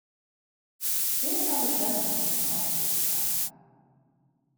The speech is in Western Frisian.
Dêr haw ik letter noch genôch tiid foar.